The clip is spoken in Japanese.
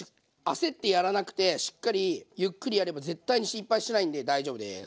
焦ってやらなくてしっかりゆっくりやれば絶対に失敗しないんで大丈夫です。